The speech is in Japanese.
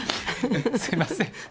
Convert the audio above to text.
すみません。